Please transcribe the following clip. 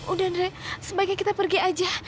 udah deh sebaiknya kita pergi aja